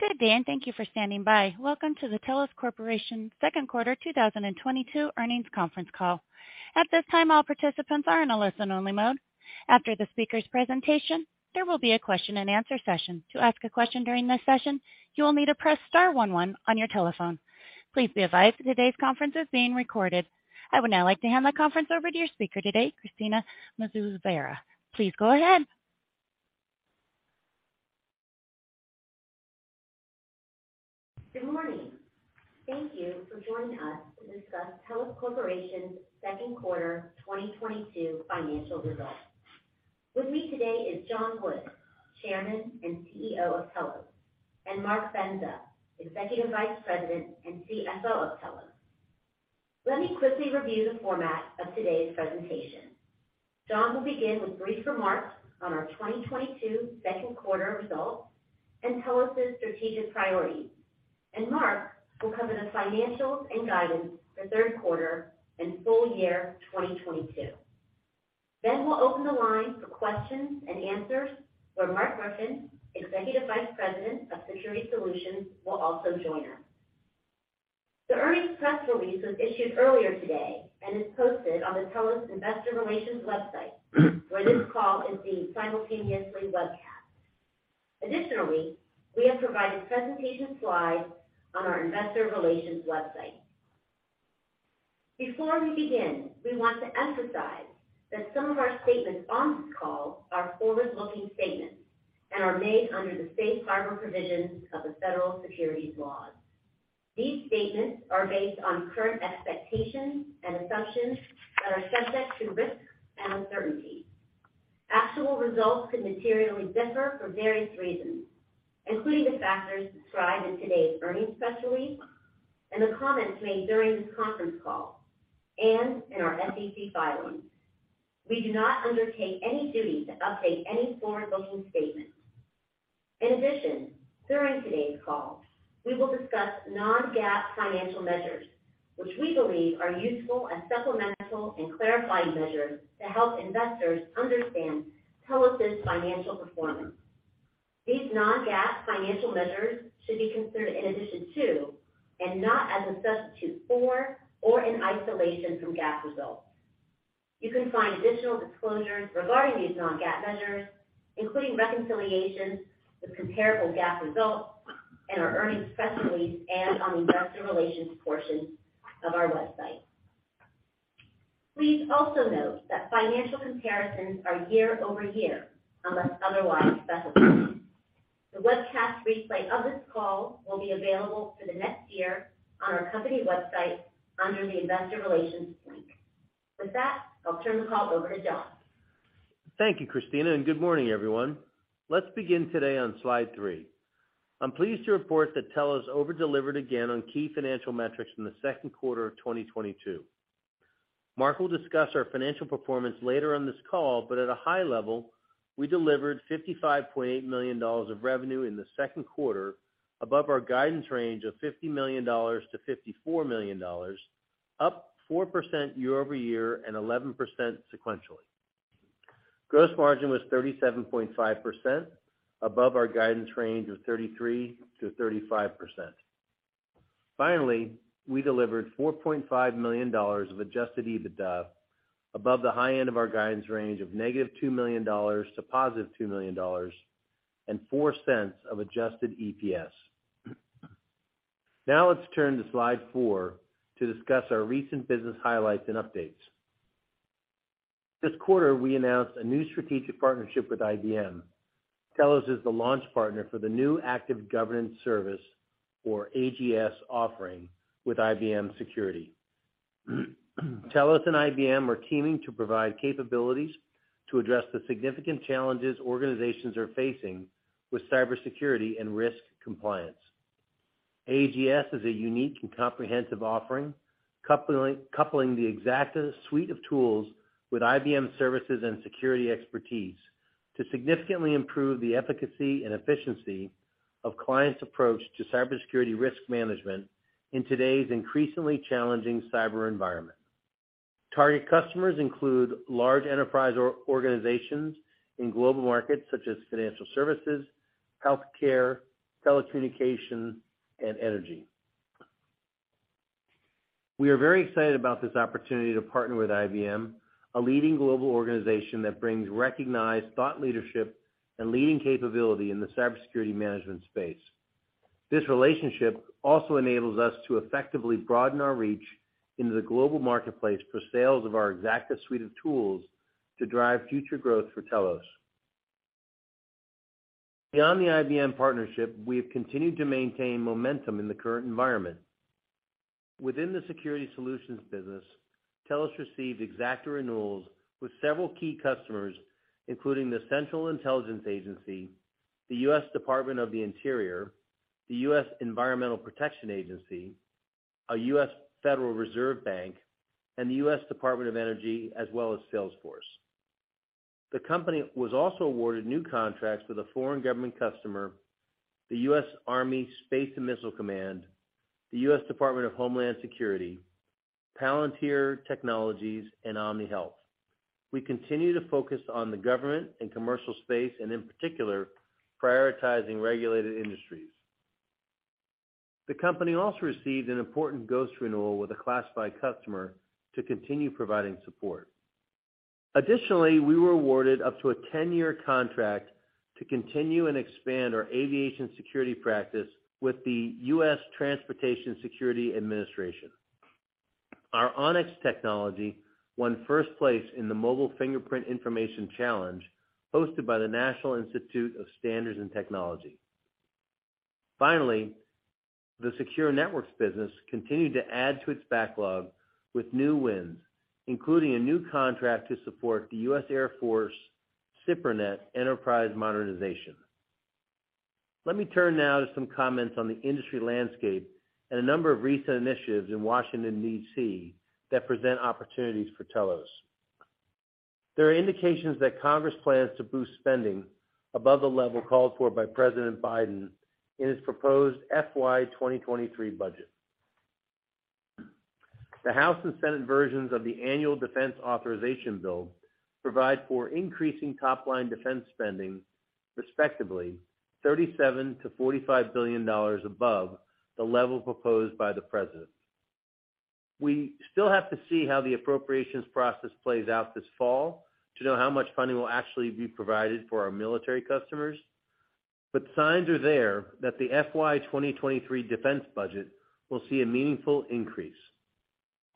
Good day, and thank you for standing by. Welcome to the Telos Corporation Second Quarter 2022 earnings conference call. At this time, all participants are in a listen-only mode. After the speaker's presentation, there will be a question-and-answer session. To ask a question during this session, you will need to press star one one on your telephone. Please be advised today's conference is being recorded. I would now like to hand the conference over to your speaker today, Christina Mouzavires. Please go ahead. Good morning. Thank you for joining us to discuss Telos Corporation's second quarter 2022 financial results. With me today is John Wood, Chairman and CEO of Telos, and Mark Bendza, Executive Vice President and CFO of Telos. Let me quickly review the format of today's presentation. John will begin with brief remarks on our 2022 second quarter results and Telos' strategic priorities. Mark will cover the financials and guidance for third quarter and full year 2022. We'll open the line for questions and answers where Mark Griffin, Executive Vice President of Security Solutions, will also join us. The earnings press release was issued earlier today and is posted on the Telos Investor Relations website, where this call is being simultaneously webcast. Additionally, we have provided presentation slides on our investor relations website. Before we begin, we want to emphasize that some of our statements on this call are forward-looking statements and are made under the Safe Harbor Provisions of the Federal Securities Laws. These statements are based on current expectations and assumptions that are subject to risks and uncertainties. Actual results could materially differ for various reasons, including the factors described in today's earnings press release and the comments made during this conference call and in our SEC filings. We do not undertake any duty to update any forward-looking statements. In addition, during today's call, we will discuss non-GAAP financial measures, which we believe are useful as supplemental and clarifying measures to help investors understand Telos' financial performance. These non-GAAP financial measures should be considered in addition to and not as a substitute for or in isolation from GAAP results. You can find additional disclosures regarding these non-GAAP measures, including reconciliations to comparable GAAP results, in our earnings press release and on the investor relations portion of our website. Please also note that financial comparisons are year-over-year, unless otherwise specified. The webcast replay of this call will be available for the next year on our company website under the investor relations link. With that, I'll turn the call over to John. Thank you, Christina, and good morning, everyone. Let's begin today on slide three. I'm pleased to report that Telos over-delivered again on key financial metrics in the second quarter of 2022. Mark will discuss our financial performance later on this call, but at a high level, we delivered $55.8 million of revenue in the second quarter above our guidance range of $50 million-$54 million, up 4% year-over-year and 11% sequentially. Gross margin was 37.5% above our guidance range of 33%-35%. Finally, we delivered $4.5 million of adjusted EBITDA above the high end of our guidance range of -$2 million to $2 million and $0.04 of adjusted EPS. Now let's turn to slide four to discuss our recent business highlights and updates. This quarter, we announced a new strategic partnership with IBM. Telos is the launch partner for the new Active Governance Service or AGS offering with IBM Security. Telos and IBM are teaming to provide capabilities to address the significant challenges organizations are facing with cybersecurity and risk compliance. AGS is a unique and comprehensive offering, coupling the Xacta suite of tools with IBM services and security expertise to significantly improve the efficacy and efficiency of clients' approach to cybersecurity risk management in today's increasingly challenging cyber environment. Target customers include large enterprise or organizations in global markets such as financial services, healthcare, telecommunication, and energy. We are very excited about this opportunity to partner with IBM, a leading global organization that brings recognized thought leadership and leading capability in the cybersecurity management space. This relationship also enables us to effectively broaden our reach into the global marketplace for sales of our Xacta suite of tools to drive future growth for Telos. Beyond the IBM partnership, we have continued to maintain momentum in the current environment. Within the security solutions business, Telos received Xacta renewals with several key customers, including the Central Intelligence Agency, the U.S. Department of the Interior, the U.S. Environmental Protection Agency, a U.S. Federal Reserve Bank, and the U.S. Department of Energy, as well as Salesforce. The company was also awarded new contracts with a foreign government customer, the U.S. Army Space and Missile Defense Command, the U.S. Department of Homeland Security, Palantir Technologies, and OmniHealth. We continue to focus on the government and commercial space, and in particular, prioritizing regulated industries. The company also received an important Ghost renewal with a classified customer to continue providing support. Additionally, we were awarded up to a 10-year contract to continue and expand our aviation security practice with the U.S. Transportation Security Administration. Our ONYX technology won first place in the mobile fingerprint information challenge hosted by the National Institute of Standards and Technology. Finally, the secure networks business continued to add to its backlog with new wins, including a new contract to support the U.S. Air Force SIPRNet Enterprise Modernization. Let me turn now to some comments on the industry landscape and a number of recent initiatives in Washington, D.C., that present opportunities for Telos. There are indications that Congress plans to boost spending above the level called for by President Biden in his proposed FY 2023 budget. The House and Senate versions of the annual defense authorization bill provide for increasing top-line defense spending, respectively, $37 billion-$45 billion above the level proposed by the President. We still have to see how the appropriations process plays out this fall to know how much funding will actually be provided for our military customers. Signs are there that the FY 2023 defense budget will see a meaningful increase.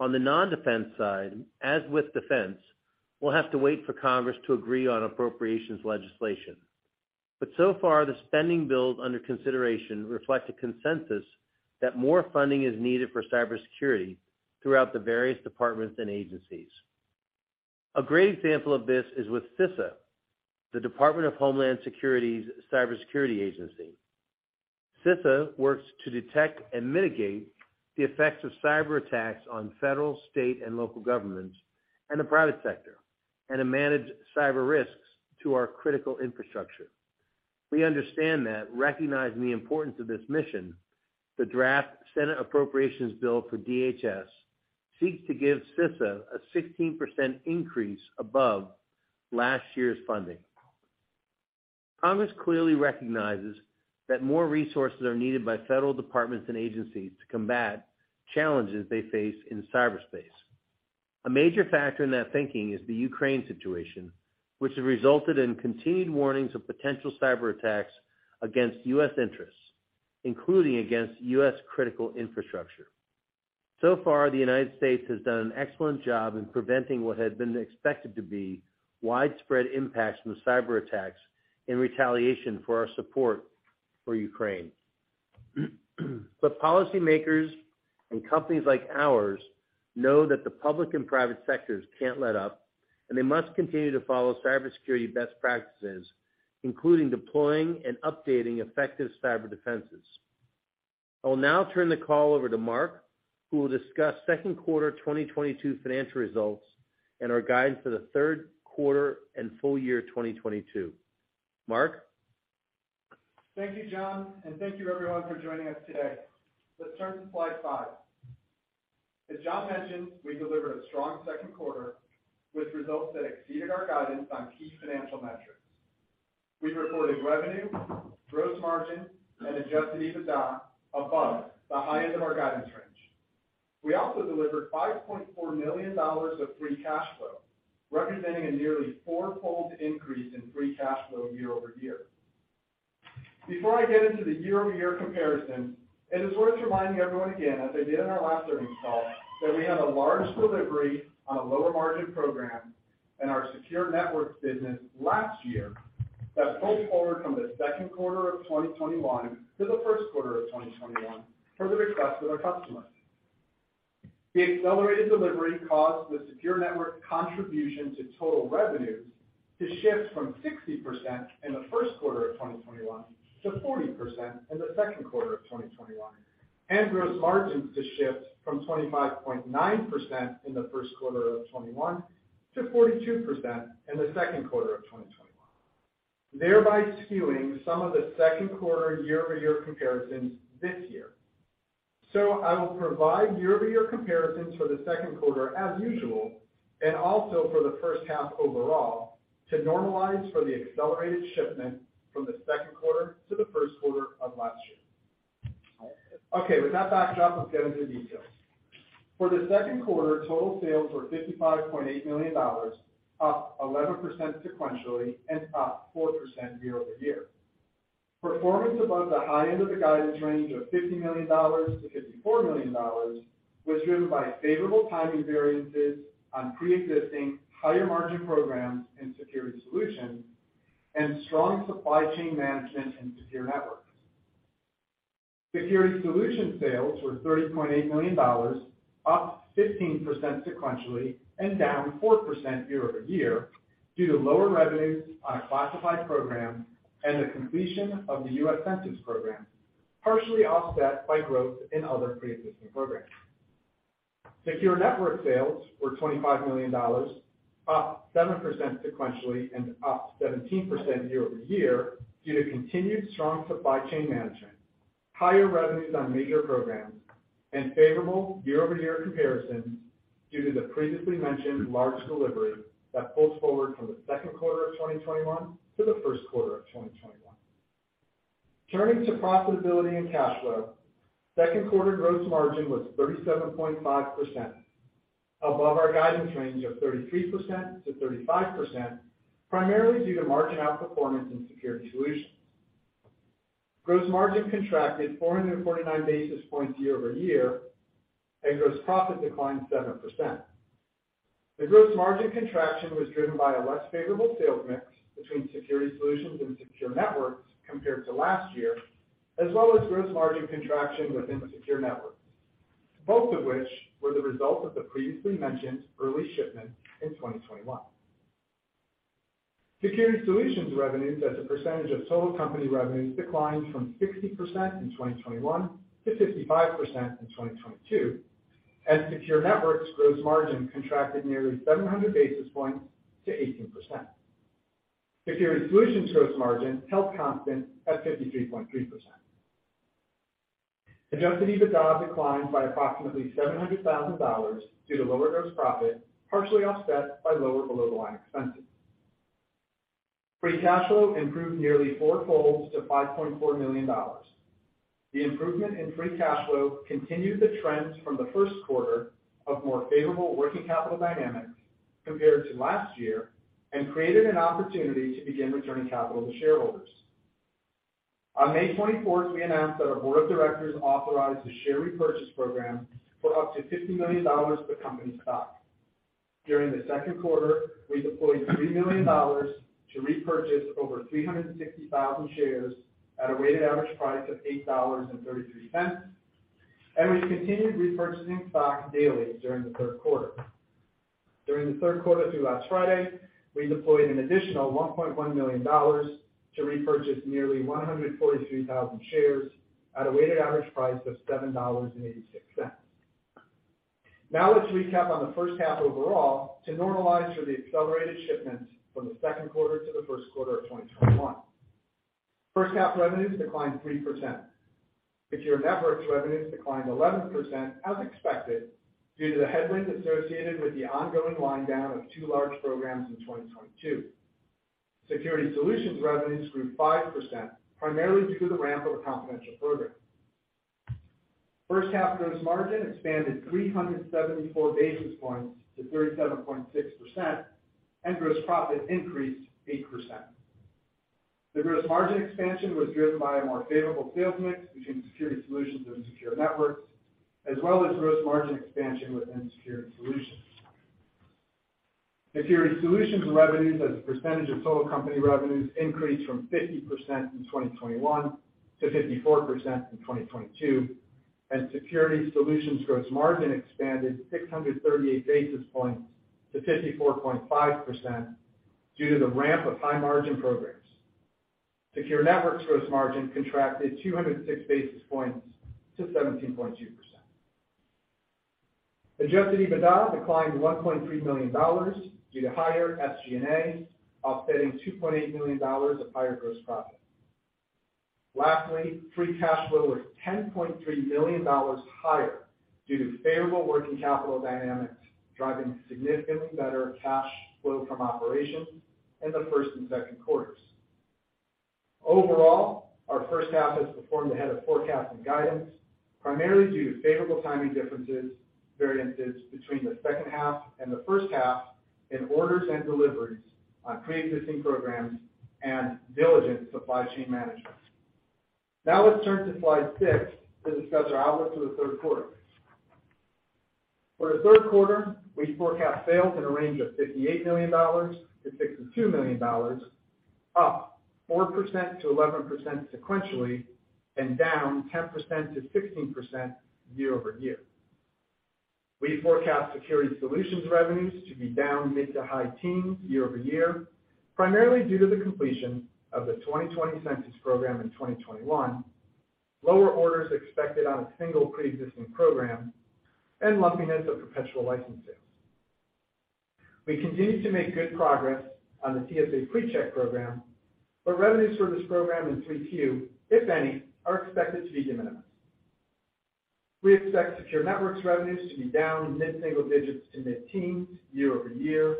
On the non-defense side, as with defense, we'll have to wait for Congress to agree on appropriations legislation. So far, the spending bills under consideration reflect a consensus that more funding is needed for cybersecurity throughout the various departments and agencies. A great example of this is with CISA, the Department of Homeland Security's cybersecurity agency. CISA works to detect and mitigate the effects of cyberattacks on federal, state, and local governments and the private sector, and to manage cyber risks to our critical infrastructure. We understand that recognizing the importance of this mission, the draft Senate Appropriations Bill for DHS seeks to give CISA a 16% increase above last year's funding. Congress clearly recognizes that more resources are needed by federal departments and agencies to combat challenges they face in cyberspace. A major factor in that thinking is the Ukraine situation, which has resulted in continued warnings of potential cyberattacks against U.S. interests, including against U.S. critical infrastructure. So far, the United States has done an excellent job in preventing what had been expected to be widespread impacts from cyberattacks in retaliation for our support for Ukraine. Policymakers and companies like ours know that the public and private sectors can't let up, and they must continue to follow cybersecurity best practices, including deploying and updating effective cyber defenses. I will now turn the call over to Mark, who will discuss second quarter 2022 financial results and our guidance for the third quarter and full year 2022. Mark. Thank you, John, and thank you everyone for joining us today. Let's turn to slide five. As John mentioned, we delivered a strong second quarter with results that exceeded our guidance on key financial metrics. We reported revenue, gross margin, and adjusted EBITDA above the highest of our guidance range. We also delivered $5.4 million of free cash flow, representing a nearly 4-fold increase in free cash flow year-over-year. Before I get into the year-over-year comparison, it is worth reminding everyone again, as I did in our last earnings call, that we had a large delivery on a lower-margin program in our secure networks business last year that pulled forward from the second quarter of 2021 to the first quarter of 2021 per the request of our customers. The accelerated delivery caused the secure network contribution to total revenues to shift from 60% in the first quarter of 2021 to 40% in the second quarter of 2021. Gross margins to shift from 25.9% in the first quarter of 2021 to 42% in the second quarter of 2021, thereby skewing some of the second quarter year-over-year comparisons this year. I will provide year-over-year comparisons for the second quarter as usual, and also for the first half overall to normalize for the accelerated shipment from the second quarter to the first quarter of last year. Okay, with that backdrop, let's get into details. For the second quarter, total sales were $55.8 million, up 11% sequentially and up 4% year-over-year. Performance above the high end of the guidance range of $50 million-$54 million was driven by favorable timing variances on preexisting higher-margin programs in Security Solutions and strong supply chain management and Secure Networks. Security Solutions sales were $30.8 million, up 15% sequentially and down 4% year-over-year due to lower revenues on a classified program and the completion of the U.S. Census program, partially offset by growth in other preexisting programs. Secure Networks sales were $25 million, up 7% sequentially and up 17% year-over-year due to continued strong supply chain management. Higher revenues on major programs and favorable year-over-year comparisons due to the previously mentioned large delivery that pulls forward from the second quarter of 2021 to the first quarter of 2021. Turning to profitability and cash flow. Second quarter gross margin was 37.5%, above our guidance range of 33%-35%, primarily due to margin outperformance in security solutions. Gross margin contracted 449 basis points year-over-year, and gross profit declined 7%. The gross margin contraction was driven by a less favorable sales mix between security solutions and secure networks compared to last year, as well as gross margin contraction within secure networks, both of which were the result of the previously mentioned early shipment in 2021. Security solutions revenues as a percentage of total company revenues declined from 60% in 2021 to 55% in 2022, and secure networks gross margin contracted nearly 700 basis points to 18%. Security solutions gross margin held constant at 53.3%. Adjusted EBITDA declined by approximately $700 thousand due to lower gross profit, partially offset by lower below-the-line expenses. Free cash flow improved nearly fourfold to $5.4 million. The improvement in free cash flow continued the trends from the first quarter of more favorable working capital dynamics compared to last year and created an opportunity to begin returning capital to shareholders. On May 24, we announced that our board of directors authorized a share repurchase program for up to $50 million of the company's stock. During the second quarter, we deployed $3 million to repurchase over 360,000 shares at a weighted average price of $8.33, and we continued repurchasing stock daily during the third quarter. During the third quarter through last Friday, we deployed an additional $1.1 million to repurchase nearly 143,000 shares at a weighted average price of $7.86. Now let's recap on the first half overall to normalize for the accelerated shipments from the second quarter to the first quarter of 2021. First half revenues declined 3%. Secure networks revenues declined 11% as expected due to the headwind associated with the ongoing wind down of two large programs in 2022. Security solutions revenues grew 5%, primarily due to the ramp of a confidential program. First half gross margin expanded 374 basis points to 37.6%, and gross profit increased 8%. The gross margin expansion was driven by a more favorable sales mix between security solutions and secure networks, as well as gross margin expansion within security solutions. Security solutions revenues as a percentage of total company revenues increased from 50% in 2021 to 54% in 2022, and security solutions gross margin expanded 638 basis points to 54.5% due to the ramp of high-margin programs. Secure networks gross margin contracted 206 basis points to 17.2%. Adjusted EBITDA declined $1.3 million due to higher SG&A offsetting $2.8 million of higher gross profit. Lastly, free cash flow was $10.3 million higher due to favorable working capital dynamics, driving significantly better cash flow from operations in the first and second quarters. Overall, our first half has performed ahead of forecast and guidance, primarily due to favorable timing differences, variances between the second half and the first half in orders and deliveries on pre-existing programs and diligent supply chain management. Now let's turn to slide six to discuss our outlook for the third quarter. For the third quarter, we forecast sales in a range of $58 million-$62 million, up 4%-11% sequentially and down 10%-16% year-over-year. We forecast security solutions revenues to be down mid- to high-teens% year-over-year, primarily due to the completion of the 2020 census program in 2021, lower orders expected on a single pre-existing program, and lumpiness of perpetual license sales. We continue to make good progress on the TSA PreCheck program, but revenues for this program in 3Q, if any, are expected to be de minimis. We expect secure networks revenues to be down mid-single digits to mid-teens year-over-year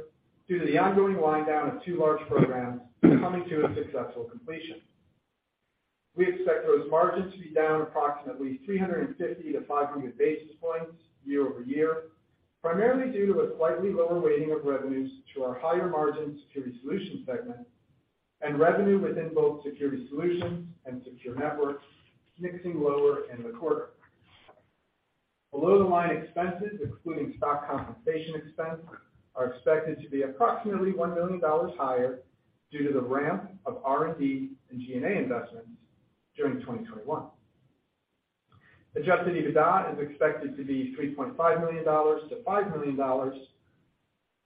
due to the ongoing wind down of two large programs coming to a successful completion. We expect gross margins to be down approximately 350-500 basis points year-over-year, primarily due to a slightly lower weighting of revenues to our higher-margin security solutions segment and revenue within both security solutions and secure networks mixing lower in the quarter. Below-the-line expenses, excluding stock compensation expense, are expected to be approximately $1 million higher due to the ramp of R&D and G&A investments during 2021. Adjusted EBITDA is expected to be $3.5 million-$5 million,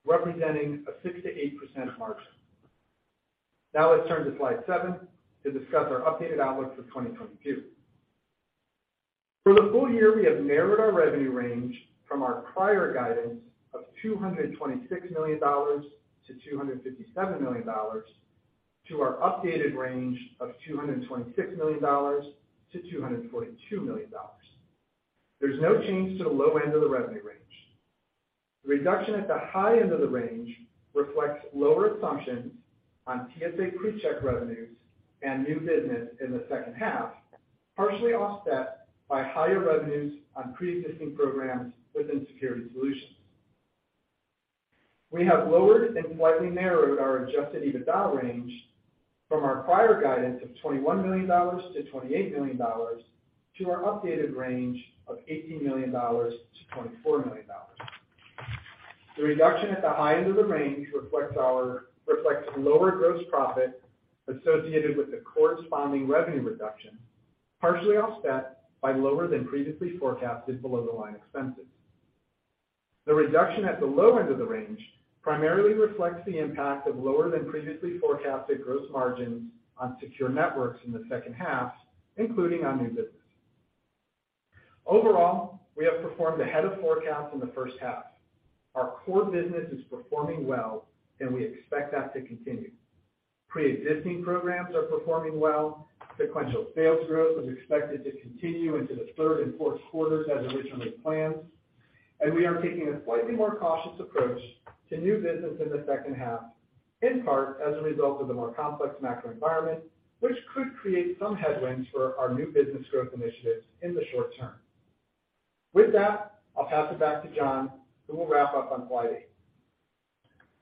representing a 6%-8% margin. Now let's turn to slide seven to discuss our updated outlook for 2022. For the full year, we have narrowed our revenue range from our prior guidance of $226 million-$257 million to our updated range of $226 million-$242 million. There's no change to the low end of the revenue range. The reduction at the high end of the range reflects lower assumptions on TSA PreCheck revenues and new business in the second half, partially offset by higher revenues on pre-existing programs within security solutions. We have lowered and slightly narrowed our adjusted EBITDA range from our prior guidance of $21 million-$28 million to our updated range of $18 million-$24 million. The reduction at the high end of the range reflects lower gross profit associated with the corresponding revenue reduction, partially offset by lower than previously forecasted below-the-line expenses. The reduction at the low end of the range primarily reflects the impact of lower than previously forecasted gross margins on secure networks in the second half, including on new business. Overall, we have performed ahead of forecast in the first half. Our core business is performing well and we expect that to continue. Pre-existing programs are performing well. Sequential sales growth is expected to continue into the third and fourth quarters as originally planned, and we are taking a slightly more cautious approach to new business in the second half, in part as a result of the more complex macro environment, which could create some headwinds for our new business growth initiatives in the short term. With that, I'll pass it back to John, who will wrap up on slide 8.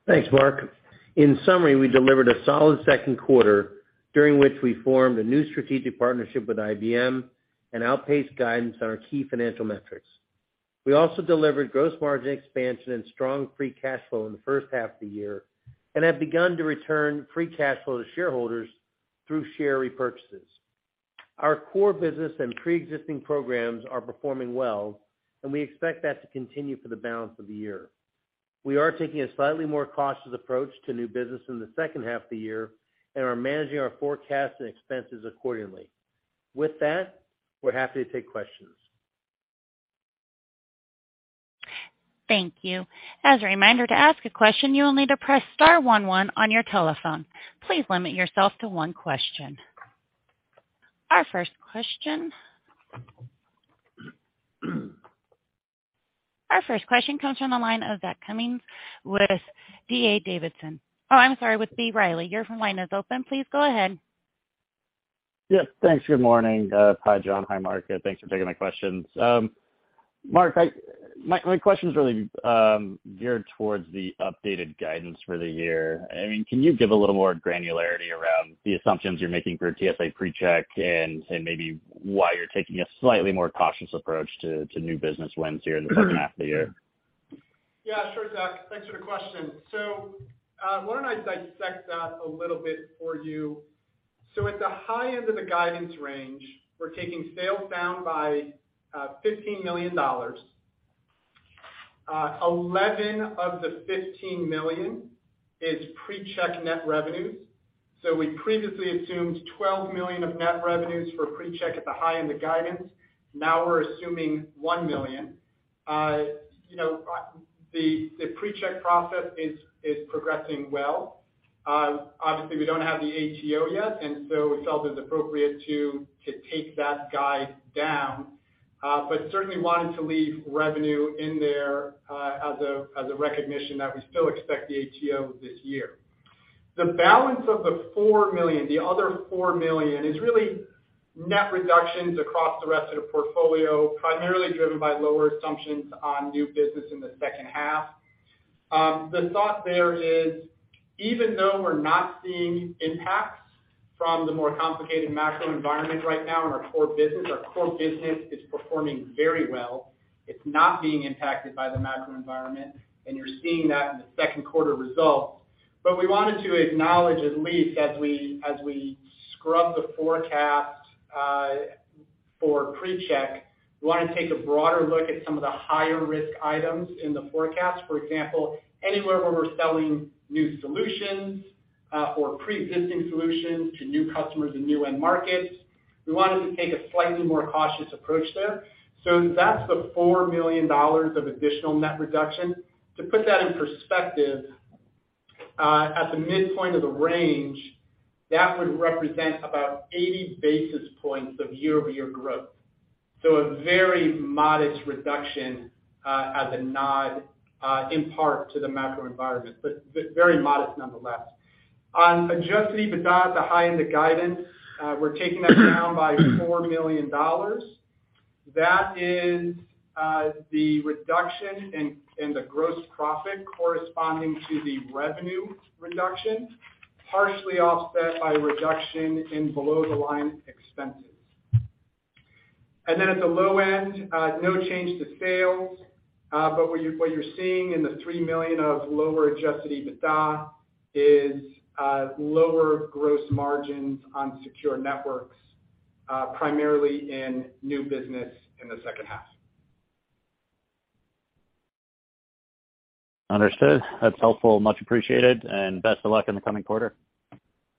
Thanks, Mark. In summary, we delivered a solid second quarter during which we formed a new strategic partnership with IBM and outpaced guidance on our key financial metrics. We also delivered gross margin expansion and strong free cash flow in the first half of the year and have begun to return free cash flow to shareholders through share repurchases. Our core business and pre-existing programs are performing well, and we expect that to continue for the balance of the year. We are taking a slightly more cautious approach to new business in the second half of the year and are managing our forecast and expenses accordingly. With that, we're happy to take questions. Thank you. As a reminder, to ask a question, you will need to press star one one on your telephone. Please limit yourself to one question. Our first question comes from the line of Zach Cummins with D.A. Davidson. Oh, I'm sorry, with B. Riley. Your phone line is open. Please go ahead. Yes, thanks. Good morning. Hi, John. Hi, Mark. Thanks for taking my questions. Mark, my question is really geared towards the updated guidance for the year. I mean, can you give a little more granularity around the assumptions you're making for TSA PreCheck and maybe why you're taking a slightly more cautious approach to new business wins here in the second half of the year? Yeah, sure, Zach, thanks for the question. Why don't I dissect that a little bit for you? At the high end of the guidance range, we're taking sales down by $15 million. Eleven of the $15 million is PreCheck net revenues. We previously assumed $12 million of net revenues for PreCheck at the high end of guidance. Now we're assuming $1 million. You know, the PreCheck process is progressing well. Obviously, we don't have the ATO yet, and so we felt it was appropriate to take that guide down, but certainly wanted to leave revenue in there, as a recognition that we still expect the ATO this year. The balance of the $4 million, the other $4 million is really net reductions across the rest of the portfolio, primarily driven by lower assumptions on new business in the second half. The thought there is, even though we're not seeing impacts from the more complicated macro environment right now in our core business, our core business is performing very well. It's not being impacted by the macro environment, and you're seeing that in the second quarter results. We wanted to acknowledge at least as we scrub the forecast, for PreCheck, we wanna take a broader look at some of the higher risk items in the forecast. For example, anywhere where we're selling new solutions, or pre-existing solutions to new customers and new end markets, we wanted to take a slightly more cautious approach there. That's the $4 million of additional net reduction. To put that in perspective, at the midpoint of the range, that would represent about 80 basis points of year-over-year growth. A very modest reduction, as a nod, in part to the macro environment, but very modest nonetheless. On adjusted EBITDA at the high end of guidance, we're taking that down by $4 million. That is, the reduction in the gross profit corresponding to the revenue reduction, partially offset by a reduction in below-the-line expenses. Then at the low end, no change to sales, but what you're seeing in the $3 million of lower adjusted EBITDA is lower gross margins on secure networks, primarily in new business in the second half. Understood. That's helpful, much appreciated, and best of luck in the coming quarter.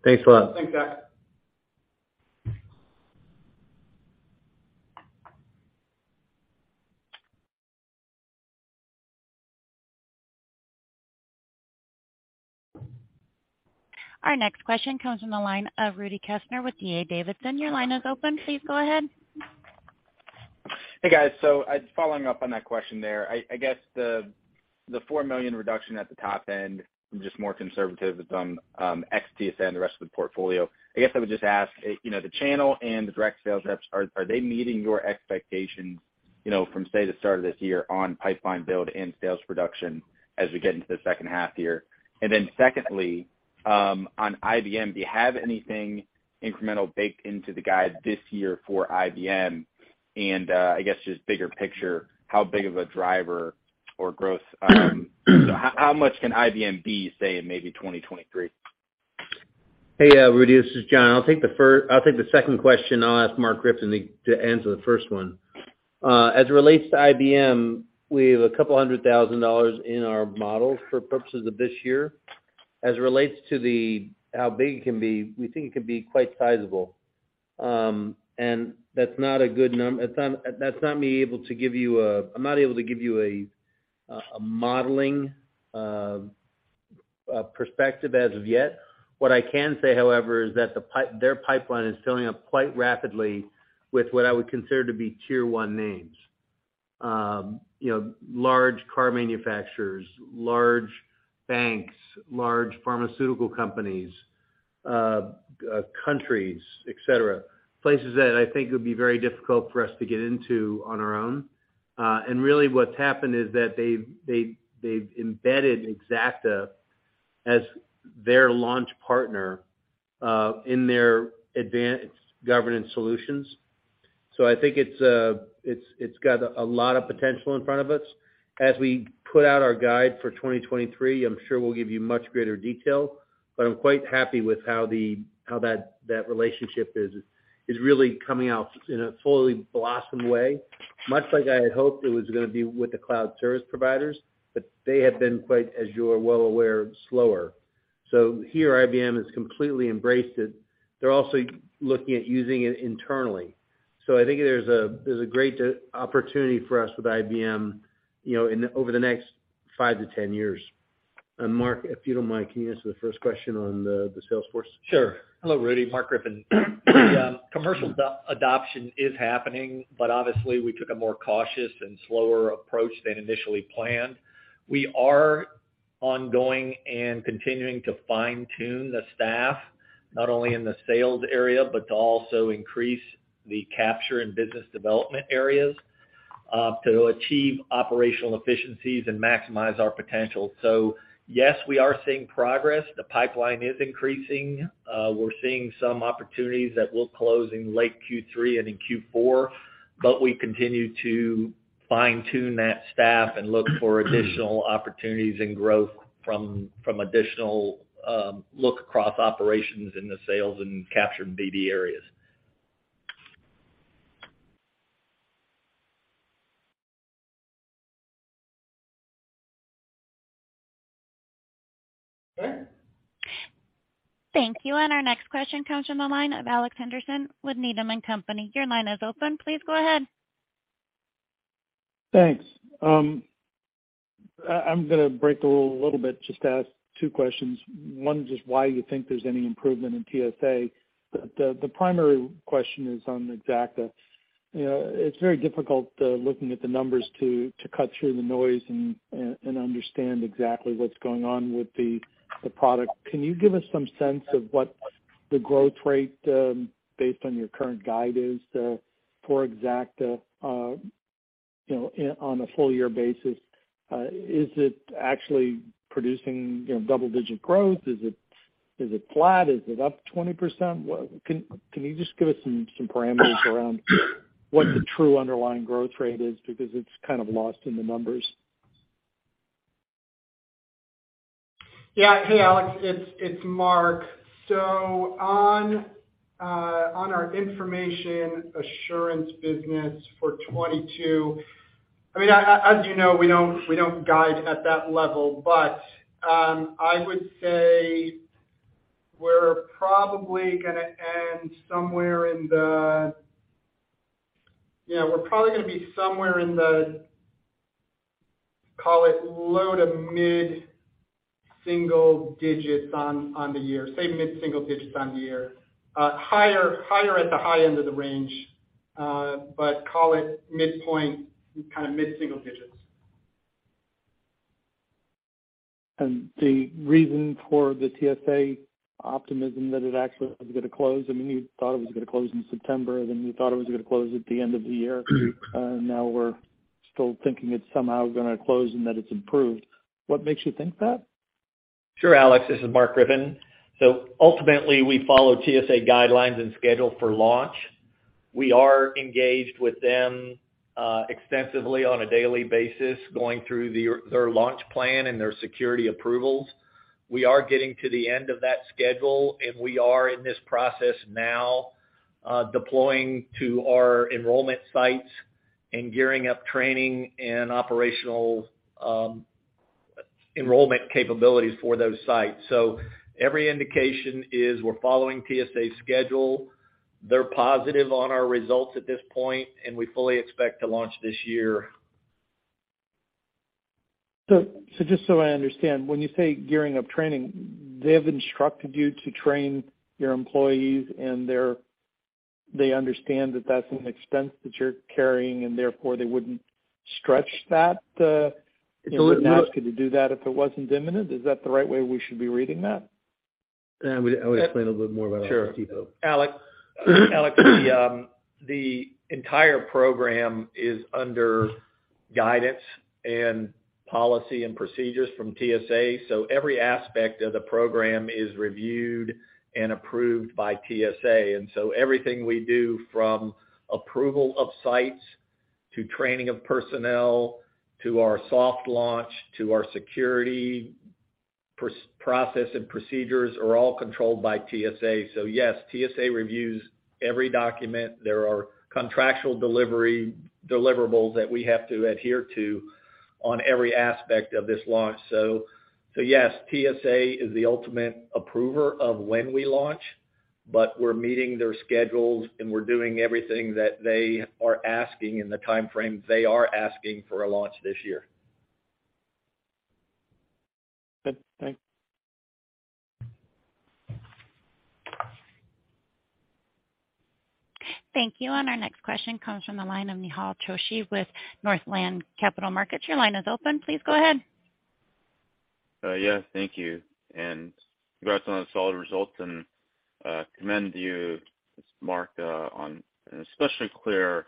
Thanks a lot. Thanks, Zach. Our next question comes from the line of Rudy Kessinger with D.A. Davidson. Your line is open. Please go ahead. Hey, guys. Following up on that question there. I guess the $4 million reduction at the top end from just more conservative with some ex TSA and the rest of the portfolio. I guess I would just ask, you know, the channel and the direct sales reps, are they meeting your expectations, you know, from, say, the start of this year on pipeline build and sales production as we get into the second half year? Secondly, on IBM, do you have anything incremental baked into the guide this year for IBM? I guess, just bigger picture, how big of a driver or growth, so how much can IBM be, say, in maybe 2023? Hey, Rudy, this is John. I'll take the second question, and I'll ask Mark Griffin to answer the first one. As it relates to IBM, we have $200,000 in our models for purposes of this year. As it relates to how big it can be, we think it can be quite sizable. That's not me able to give you a modeling perspective as of yet. What I can say, however, is that their pipeline is filling up quite rapidly with what I would consider to be tier one names. You know, large car manufacturers, large banks, large pharmaceutical companies, countries, et cetera. Places that I think it would be very difficult for us to get into on our own. Really what's happened is that they've embedded Xacta as their launch partner in their Active Governance Services. I think it's got a lot of potential in front of us. As we put out our guide for 2023, I'm sure we'll give you much greater detail, but I'm quite happy with how that relationship is really coming out in a fully blossomed way, much like I had hoped it was gonna be with the cloud service providers, but they have been quite, as you're well aware, slower. Here, IBM has completely embraced it. They're also looking at using it internally. I think there's a great opportunity for us with IBM, you know, in over the next 5-10 years. Mark, if you don't mind, can you answer the first question on the Salesforce? Sure. Hello, Rudy Kessinger, Mark Griffin. The commercial adoption is happening, but obviously we took a more cautious and slower approach than initially planned. We are ongoing and continuing to fine-tune the staff, not only in the sales area, but to also increase the capture and business development areas, to achieve operational efficiencies and maximize our potential. Yes, we are seeing progress. The pipeline is increasing. We're seeing some opportunities that will close in late Q3 and in Q4, but we continue to fine-tune that staff and look for additional opportunities and growth from additional look across operations in the sales and capture BD areas. Okay. Thank you. Our next question comes from the line of Alex Henderson with Needham & Company. Your line is open. Please go ahead. Thanks. I'm gonna break the rule a little bit just to ask two questions. One is just why you think there's any improvement in TSA. The primary question is on Xacta. You know, it's very difficult looking at the numbers to cut through the noise and understand exactly what's going on with the product. Can you give us some sense of what the growth rate based on your current guide is for Xacta you know on a full year basis? Is it actually producing you know double-digit growth? Is it flat? Is it up 20%? Can you just give us some parameters around what the true underlying growth rate is because it's kind of lost in the numbers. Hey, Alex, it's Mark. On our information assurance business for 2022, I mean, as you know, we don't guide at that level, but I would say we're probably gonna end somewhere in the low- to mid-single digits% on the year, say mid-single digits% on the year. Higher at the high end of the range, but call it midpoint, kind of mid-single digits%. The reason for the TSA optimism that it actually is gonna close, I mean, you thought it was gonna close in September, then you thought it was gonna close at the end of the year. Now we're still thinking it's somehow gonna close and that it's improved. What makes you think that? Sure, Alex. This is Mark Griffin. Ultimately we follow TSA guidelines and schedule for launch. We are engaged with them, extensively on a daily basis, going through their launch plan and their security approvals. We are getting to the end of that schedule, and we are in this process now, deploying to our enrollment sites and gearing up training and operational, enrollment capabilities for those sites. Every indication is we're following TSA schedule. They're positive on our results at this point, and we fully expect to launch this year. Just so I understand, when you say gearing up training, they have instructed you to train your employees and they understand that that's an expense that you're carrying and therefore they wouldn't stretch that ask you to do that if it wasn't imminent. Is that the right way we should be reading that? Yeah. I would explain a little bit more about our Sure. Alex, the entire program is under guidance and policy and procedures from TSA. Every aspect of the program is reviewed and approved by TSA. Everything we do from approval of sites to training of personnel, to our soft launch, to our security process and procedures are all controlled by TSA. Yes, TSA reviews every document. There are contractual deliverables that we have to adhere to on every aspect of this launch. Yes, TSA is the ultimate approver of when we launch, but we're meeting their schedules, and we're doing everything that they are asking in the timeframe they are asking for a launch this year. Good. Thanks. Thank you. Our next question comes from the line of Nehal Chokshi with Northland Capital Markets. Your line is open. Please go ahead. Yes, thank you. Congrats on the solid results and commend you, Mark, on an especially clear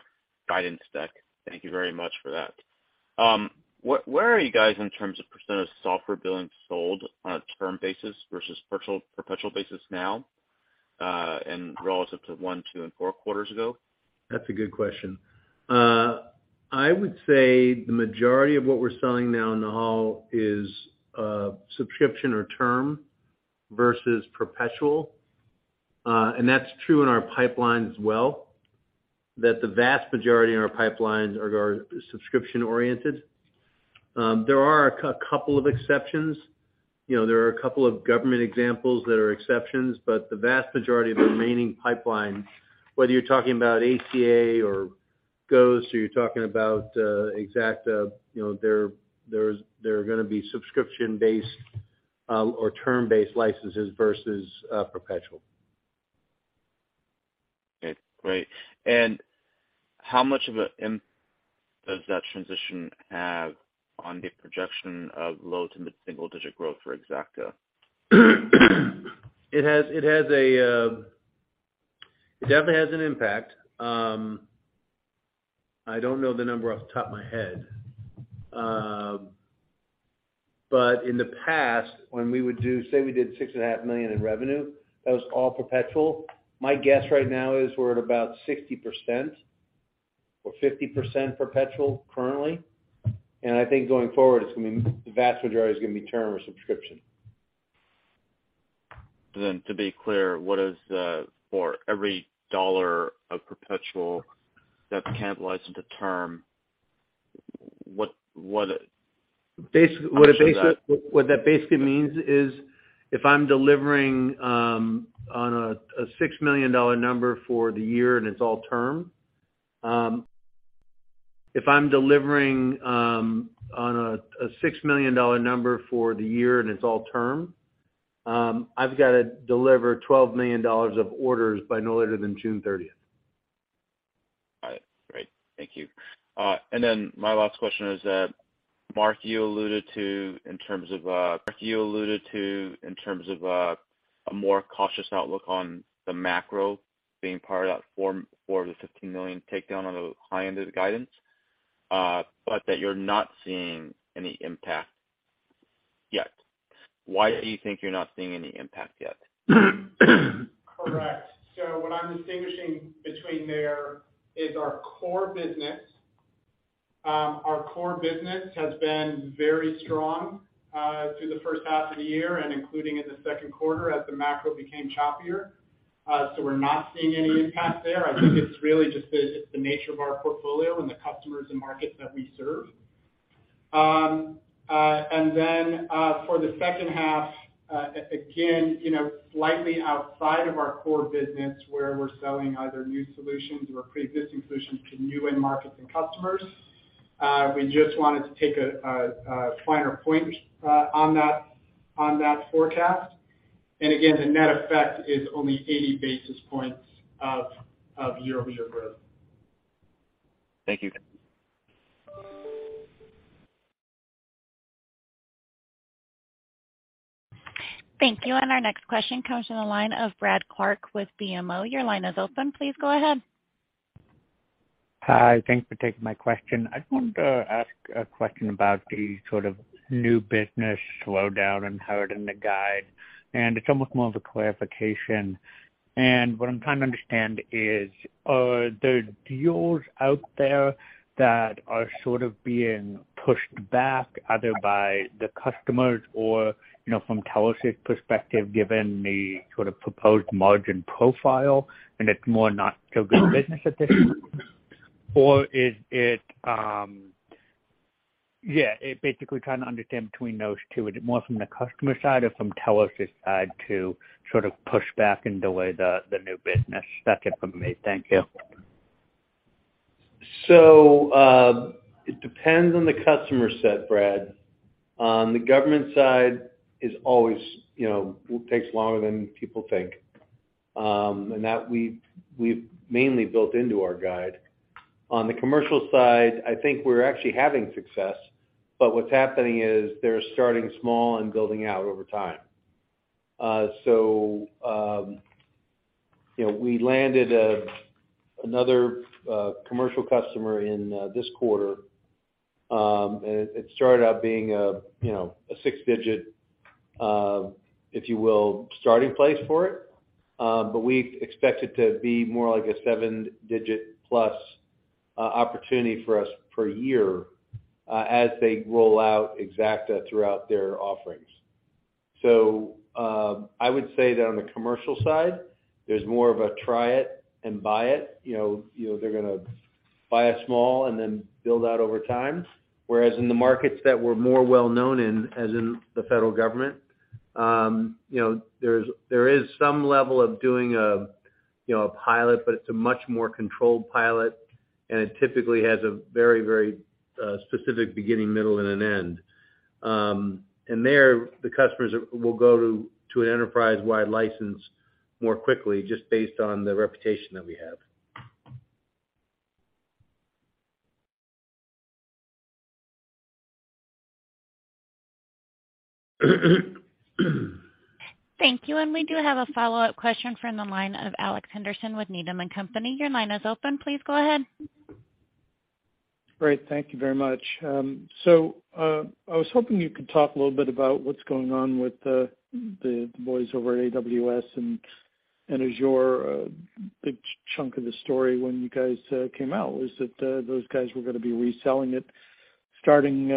guidance deck. Thank you very much for that. Where are you guys in terms of percent of software billing sold on a term basis versus perpetual basis now, and relative to one, two, and four quarters ago? That's a good question. I would say the majority of what we're selling now, Nehal, is subscription or term versus perpetual. That's true in our pipeline as well, that the vast majority in our pipelines are subscription oriented. There are a couple of exceptions. You know, there are a couple of government examples that are exceptions, but the vast majority of the remaining pipeline, whether you're talking about ACA or Ghost or you're talking about Xacta, you know, they're gonna be subscription-based or term-based licenses versus perpetual. Okay, great. How much of an impact does that transition have on the projection of low- to mid-single-digit growth for Xacta? It definitely has an impact. I don't know the number off the top of my head. But in the past when we would do, say we did $6.5 million in revenue, that was all perpetual. My guess right now is we're at about 60% or 50% perpetual currently. I think going forward, it's gonna be the vast majority is gonna be term or subscription. To be clear, what is for every dollar of perpetual that can't license a term, what? Basically, what that means is if I'm delivering on a $6 million number for the year and it's all term, I've got to deliver $12 million of orders by no later than June 30th. All right. Great. Thank you. My last question is that, Mark, you alluded to in terms of a more cautious outlook on the macro being part of that $4 million-$15 million takedown on the high end of the guidance, but that you're not seeing any impact yet. Why do you think you're not seeing any impact yet? Correct. What I'm distinguishing between there is our core business. Our core business has been very strong through the first half of the year and including in the second quarter as the macro became choppier. We're not seeing any impact there. I think it's really just the nature of our portfolio and the customers and markets that we serve. For the second half, again, you know, slightly outside of our core business where we're selling either new solutions or pre-existing solutions to new end markets and customers, we just wanted to take a finer point on that forecast. Again, the net effect is only 80 basis points of year-over-year growth. Thank you. Thank you. Our next question comes from the line of Brad Clark with BMO. Your line is open. Please go ahead. Hi. Thanks for taking my question. I want to ask a question about the sort of new business slowdown and how it in the guide, and it's almost more of a clarification. What I'm trying to understand is, are there deals out there that are sort of being pushed back either by the customers or, you know, from Telos' perspective, given the sort of proposed margin profile, and it's more not so good business at this point? Or is it, yeah, basically trying to understand between those two, is it more from the customer side or from Telos' side to sort of push back and delay the new business? That's it from me. Thank you. It depends on the customer set, Brad. On the government side is always, you know, takes longer than people think, and that we've mainly built into our guide. On the commercial side, I think we're actually having success, but what's happening is they're starting small and building out over time. We landed another commercial customer in this quarter. It started out being a you know a six-digit if you will starting place for it. But we expect it to be more like a seven-digit-plus opportunity for us per year as they roll out Xacta throughout their offerings. I would say that on the commercial side, there's more of a try it and buy it. You know, they're gonna buy it small and then build out over time. Whereas in the markets that we're more well-known in, as in the federal government, you know, there is some level of doing a, you know, a pilot, but it's a much more controlled pilot, and it typically has a very specific beginning, middle, and an end. There, the customers will go to an enterprise-wide license more quickly, just based on the reputation that we have. Thank you. We do have a follow-up question from the line of Alex Henderson with Needham & Company. Your line is open. Please go ahead. Great. Thank you very much. I was hoping you could talk a little bit about what's going on with the boys over at AWS and Azure. A big chunk of the story when you guys came out was that those guys were gonna be reselling it starting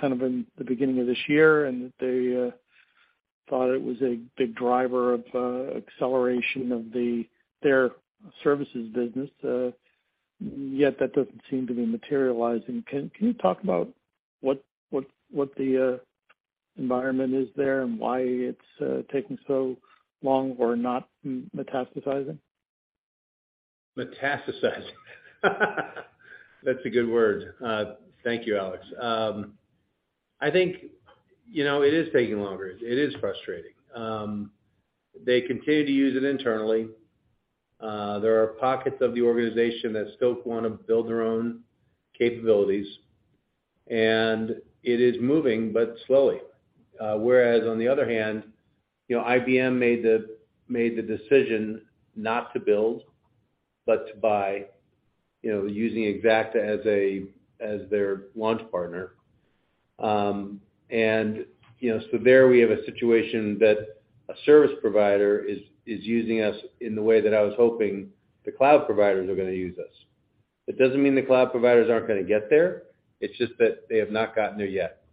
kind of in the beginning of this year, and that they thought it was a big driver of acceleration of their services business. Yet that doesn't seem to be materializing. Can you talk about what the environment is there and why it's taking so long or not metastasizing? Metastasizing. That's a good word. Thank you, Alex. I think, you know, it is taking longer. It is frustrating. They continue to use it internally. There are pockets of the organization that still wanna build their own capabilities, and it is moving, but slowly. Whereas on the other hand, you know, IBM made the decision not to build, but to buy, you know, using Xacta as their launch partner. You know, there we have a situation that a service provider is using us in the way that I was hoping the cloud providers are gonna use us. It doesn't mean the cloud providers aren't gonna get there. It's just that they have not gotten there yet.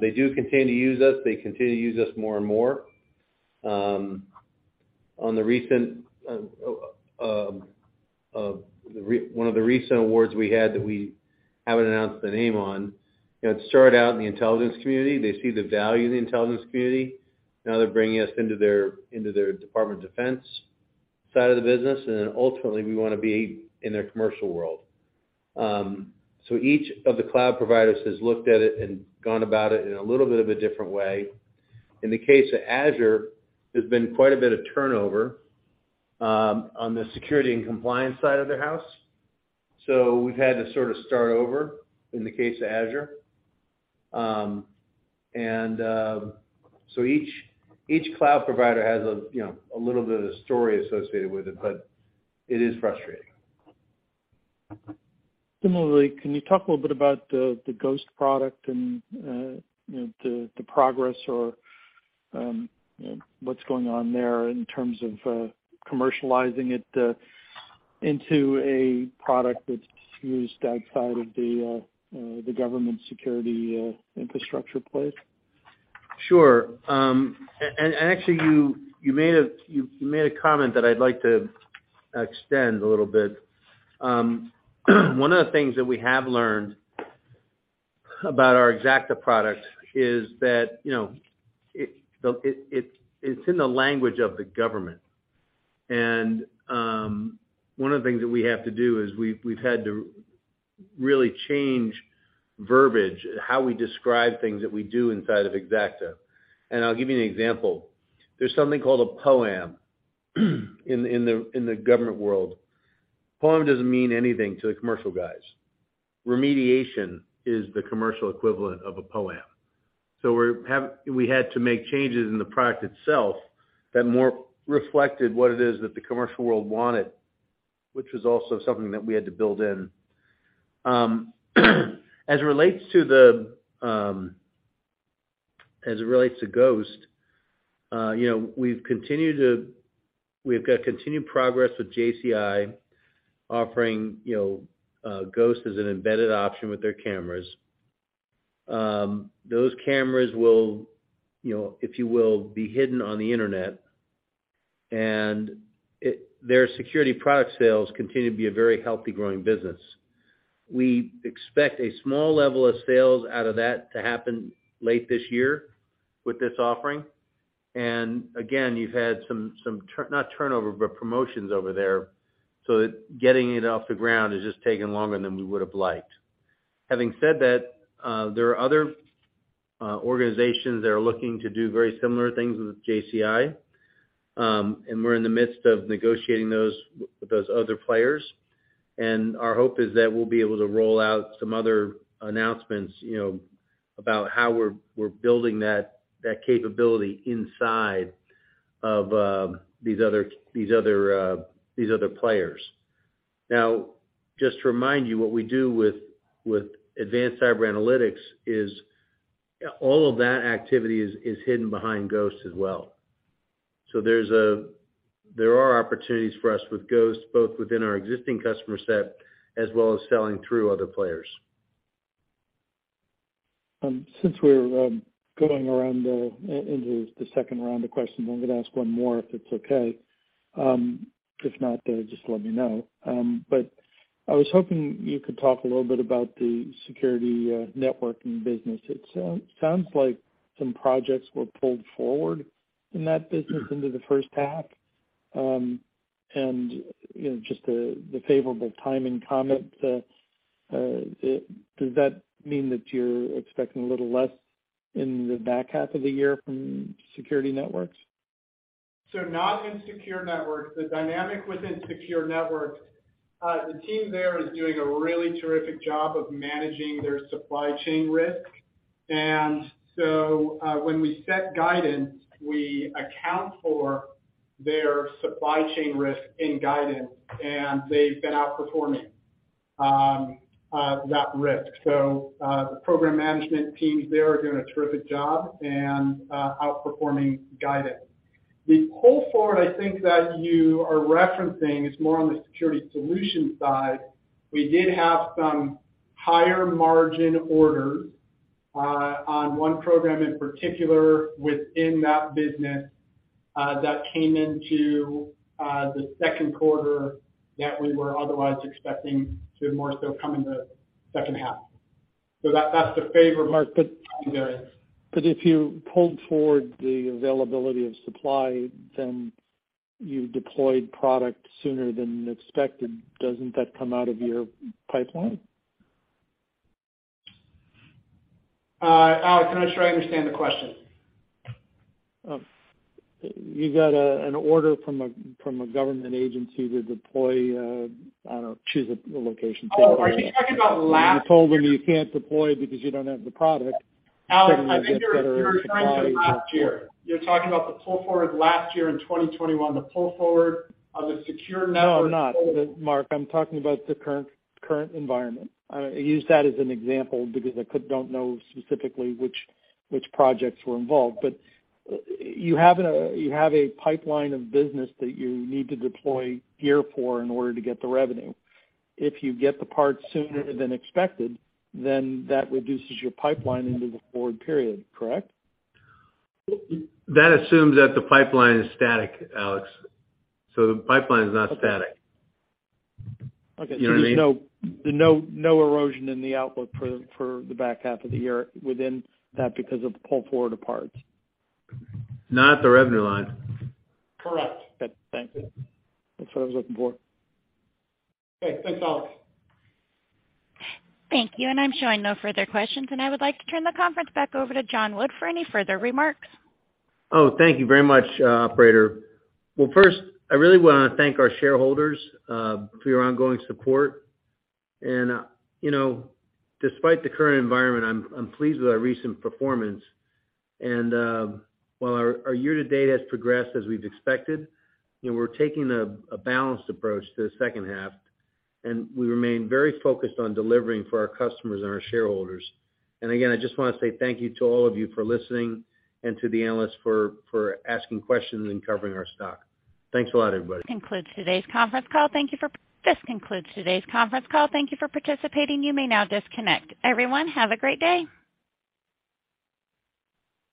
They do continue to use us. They continue to use us more and more. On one of the recent awards we had that we haven't announced the name on, you know, it started out in the intelligence community. They see the value in the intelligence community. Now they're bringing us into their Department of Defense side of the business, and then ultimately we wanna be in their commercial world. Each of the cloud providers has looked at it and gone about it in a little bit of a different way. In the case of Azure, there's been quite a bit of turnover on the security and compliance side of their house. We've had to sort of start over in the case of Azure. Each cloud provider has a, you know, a little bit of a story associated with it, but it is frustrating. Similarly, can you talk a little bit about the Ghost product and, you know, the progress or, you know, what's going on there in terms of commercializing it into a product that's used outside of the government security infrastructure place? Sure. Actually you made a comment that I'd like to extend a little bit. One of the things that we have learned about our Xacta product is that, you know, it's in the language of the government. One of the things that we have to do is we've had to really change verbiage, how we describe things that we do inside of Xacta. I'll give you an example. There's something called a POAM in the government world. POAM doesn't mean anything to the commercial guys. Remediation is the commercial equivalent of a POAM. We had to make changes in the product itself that more reflected what it is that the commercial world wanted, which was also something that we had to build in. As it relates to Ghost, you know, we've got continued progress with JCI offering, you know, Ghost as an embedded option with their cameras. Those cameras will, you know, if you will, be hidden on the Internet. Their security product sales continue to be a very healthy growing business. We expect a small level of sales out of that to happen late this year with this offering. Again, you've had some promotions over there, so that getting it off the ground has just taken longer than we would have liked. Having said that, there are other organizations that are looking to do very similar things with JCI, and we're in the midst of negotiating those with those other players. Our hope is that we'll be able to roll out some other announcements, you know, about how we're building that capability inside of these other players. Now, just to remind you what we do with advanced cyber analytics is all of that activity is hidden behind Ghost as well. There are opportunities for us with Ghost, both within our existing customer set as well as selling through other players. Since we're going into the second round of questions, I'm gonna ask one more if it's okay. If not, just let me know. But I was hoping you could talk a little bit about the security networking business. It sounds like some projects were pulled forward in that business into the first half. You know, just the favorable timing comment, does that mean that you're expecting a little less in the back half of the year from security networks? Not in secure networks. The dynamic within secure networks, the team there is doing a really terrific job of managing their supply chain risk. When we set guidance, we account for their supply chain risk in guidance, and they've been outperforming that risk. The program management teams there are doing a terrific job and outperforming guidance. The pull forward, I think that you are referencing is more on the Security Solutions side. We did have some higher margin orders on one program in particular within that business that came into the second quarter that we were otherwise expecting to more so come in the second half. That's the favor, Mark- But- There is. If you pulled forward the availability of supply, then you deployed product sooner than expected. Doesn't that come out of your pipeline? Alex, I'm not sure I understand the question. You got an order from a government agency to deploy, I don't know, choose a location. Oh, are you talking about last? You're told that you can't deploy because you don't have the product. Alex, I think you're referring to last year. You're talking about the pull forward last year in 2021, the pull forward on the secure network. No, I'm not. Mark, I'm talking about the current environment. I use that as an example because I don't know specifically which projects were involved. You have a pipeline of business that you need to deploy gear for in order to get the revenue. If you get the parts sooner than expected, then that reduces your pipeline into the forward period, correct? That assumes that the pipeline is static, Alex. The pipeline is not static. Okay. You know what I mean? There's no erosion in the outlook for the back half of the year within that because of the pull forward of parts. Not at the revenue line. Correct. Okay. Thank you. That's what I was looking for. Okay. Thanks, Alex. Thank you. I'm showing no further questions, and I would like to turn the conference back over to John Wood for any further remarks. Oh, thank you very much, operator. Well, first, I really wanna thank our shareholders for your ongoing support. You know, despite the current environment, I'm pleased with our recent performance. While our year to date has progressed as we've expected, you know, we're taking a balanced approach to the second half, and we remain very focused on delivering for our customers and our shareholders. Again, I just wanna say thank you to all of you for listening and to the analysts for asking questions and covering our stock. Thanks a lot, everybody. This concludes today's conference call. Thank you for participating. You may now disconnect. Everyone, have a great day.